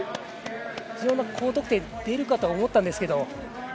非常に高得点が出るかと思ったんですけど。